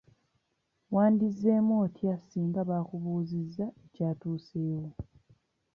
Wandizzeemu otya singa bakubuuziza ekyatuusewo?